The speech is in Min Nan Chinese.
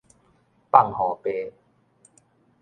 放雨白